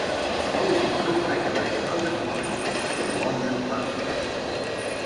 Als vrouwen zich terugtrekken uit de arbeidsmarkt, kunnen mannen hun plaats innemen.